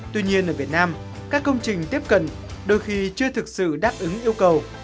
tuy nhiên ở việt nam các công trình tiếp cận đôi khi chưa thực sự đáp ứng yêu cầu